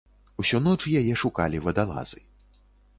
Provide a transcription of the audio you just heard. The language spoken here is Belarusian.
Усю ноч яе шукалі вадалазы.